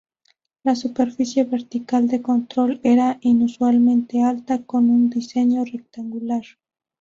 La superficie vertical de control era inusualmente alta, con un diseño rectangular.